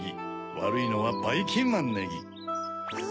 わるいのはばいきんまんネギ。